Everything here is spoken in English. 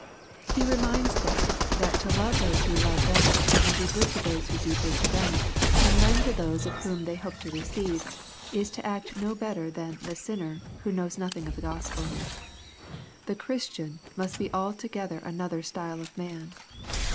He reminds them that to love those who love them, and do good to those who do good to them, and lend to those of whom they hope to receive, is to act no better than " the sinner" who knows nothing of the Gospel. The Christian must be altogether another style of man.